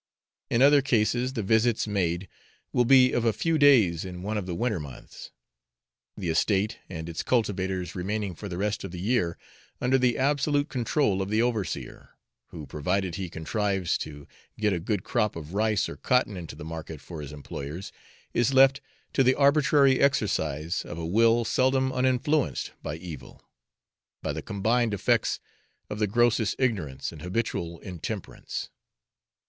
In other cases, the visits made will be of a few days in one of the winter months; the estate and its cultivators remaining for the rest of the year under the absolute control of the overseer, who, provided he contrives to get a good crop of rice or cotton into the market for his employers, is left to the arbitrary exercise of a will seldom uninfluenced for evil, by the combined effects of the grossest ignorance and habitual intemperance.